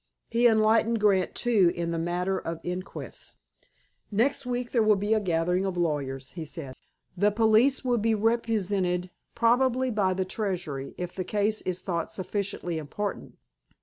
He enlightened Grant, too, in the matter of inquests. "Next week there will be a gathering of lawyers," he said. "The police will be represented, probably by the Treasury, if the case is thought sufficiently important.